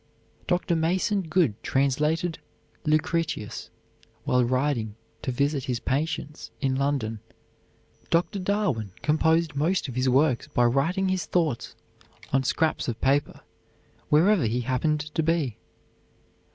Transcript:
Dr. Mason Good translated "Lucretius" while riding to visit his patients in London. Dr. Darwin composed most of his works by writing his thoughts on scraps of paper wherever he happened to be.